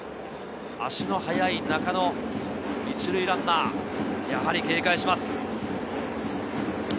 足の速い中野、１塁ランナー、やはり警戒します。